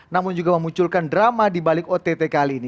namun juga memunculkan drama dibalik ott kalian